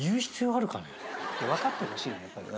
わかってほしいのよやっぱり。